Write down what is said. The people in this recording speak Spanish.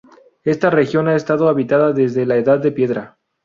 Esta región ha estado habitada desde la Edad de Piedra.